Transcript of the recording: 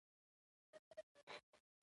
چي له لستوڼي څخه وشړو ماران وطنه